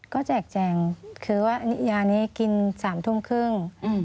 ก็แจกแจงคือว่ายานี้กิน๓ทุ่มครึ่ง